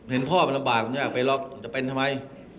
เห็นพ่อมันลำบากผมอยากไปหรอกจะเป็นทำไม